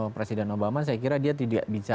presiden obama saya kira dia tidak bisa